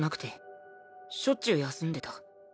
しょっちゅう休んでた。